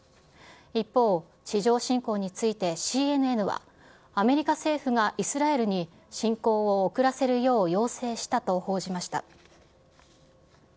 一方、地上侵攻についてＣＮＮは、アメリカ政府がイスラエルに侵攻を遅らせるよう要請したと報じました。